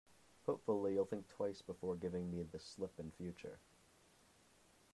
Hopefully, you'll think twice before giving me the slip in future.